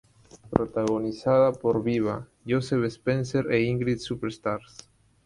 Protagonizada por Viva, Josep Spencer e Ingrid Superstar.